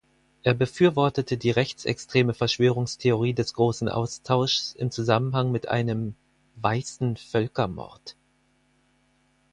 Er befürwortete die rechtsextreme Verschwörungstheorie des Großen Austauschs im Zusammenhang mit einem „weißen Völkermord“.